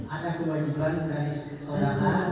ada kewajiban dari saudara